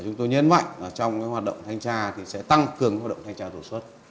chúng tôi nhấn mạnh trong hoạt động thanh tra sẽ tăng cường hoạt động thanh tra đột xuất